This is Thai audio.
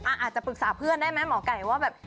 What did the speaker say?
อาจจะปรึกษาเพื่อนได้ไหมหมอไก่ว่าแบบ